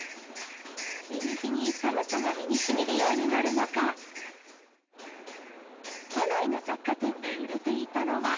日に日に寒さが身にしみるようになる中、都内の雑貨店で売れ